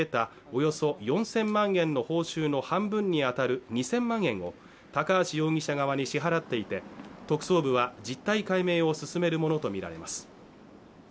およそ４０００万円の報酬の半分にあたる２０００万円を高橋容疑者側に支払っていて特捜部は実態解明を進めるものと見られます